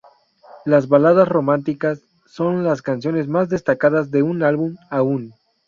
Las baladas románticas son las canciones más destacadas de un álbum aún.